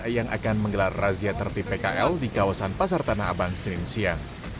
yang akan menggelar razia tertib pkl di kawasan pasar tanah abang senin siang